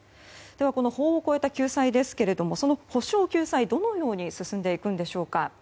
この法を超えた救済ですがその補償・救済はどのように進んでいくんでしょうか。